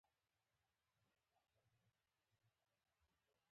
د دوسیو شمیر چې محکمې ته راجع کیږي زیاتیږي.